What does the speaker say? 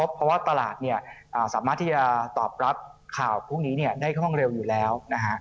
เพราะว่าตลาดสามารถที่จะตอบรับข่าวพวกนี้ได้ค่อนข้างเร็วอยู่แล้ว